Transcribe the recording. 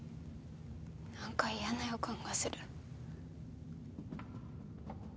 なんか嫌な予感がする。